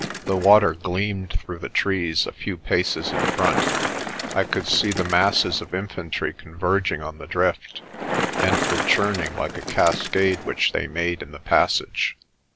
The water gleamed through the trees a few paces in front. I could see the masses of infantry converging on the drift. And the churning like a cascade which they made in the passage.